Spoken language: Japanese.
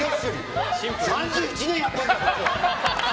３１年やってんだよ！